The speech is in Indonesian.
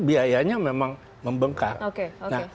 biayanya memang membengkak